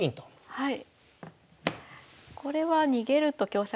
はい。